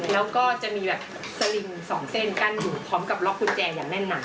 แล้วก็จะมีแบบสลิงสองเส้นกั้นอยู่พร้อมกับล็อกกุญแจอย่างแน่นหนา